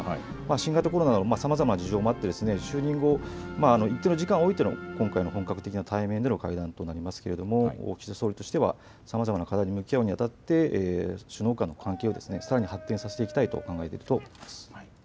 新型コロナなどさまざまな事情もあって就任後、一定の時間を置いての今回の本格的な対面での会談となりますが岸田総理としてはさまざまな課題に向き合うにあたって首脳間の関係をさらに発展させていきたいと考えていると思います。